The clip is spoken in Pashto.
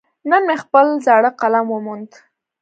نن مې خپل زاړه قلم وموند.